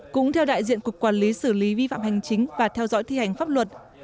cũng theo đại diện cục quản lý xử lý vi phạm hành chính và theo dõi thi hành pháp luật